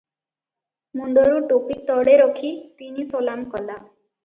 ମୁଣ୍ଡରୁ ଟୋପି ତଳେ ରଖି ତିନି ସଲାମ କଲା ।